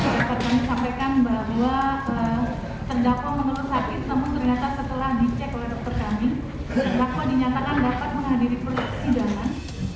dokter kami sampaikan bahwa terdakwa menelusakit namun ternyata setelah dicek oleh dokter kami terdakwa dinyatakan dapat menghadiri proses sidangan